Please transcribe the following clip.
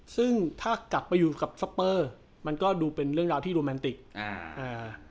ซึ่งถ้ากลับไปอยู่กับสเปอร์มันก็ดูเป็นเรื่องราวที่โรแมนติกอ่าอ่า